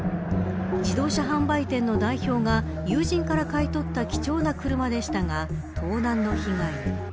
自動車販売店の代表が友人から買い取った貴重な車でしたが盗難の被害に。